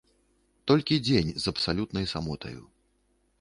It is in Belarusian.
Толькі дзень з абсалютнай самотаю.